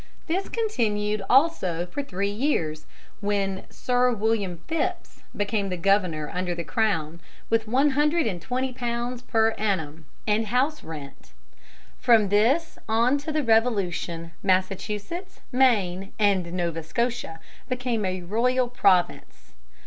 This continued also for three years, when Sir William Phipps became Governor under the crown, with one hundred and twenty pounds per annum and house rent. From this on to the Revolution, Massachusetts, Maine, and Nova Scotia became a royal province.